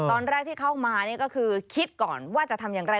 ตอนแรกที่เข้ามานี่ก็คือคิดก่อนว่าจะทำอย่างไร